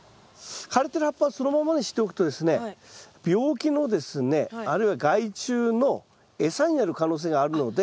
枯れてる葉っぱをそのままにしておくとですね病気のですねあるいは害虫の餌になる可能性があるので。